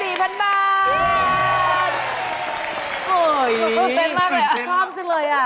เฮ่ยเป็นมากเลยชอบจริงเลย